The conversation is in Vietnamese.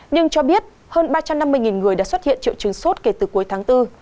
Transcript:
nhưng cho biết hơn ba trăm năm mươi người đã xuất hiện triệu chứng sốt kể từ cuối tháng bốn